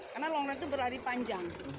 karena long run itu berlari panjang